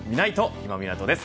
今湊です。